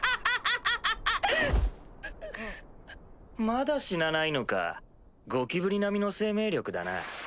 まだ死なないのかゴキブリ並みの生命力だな。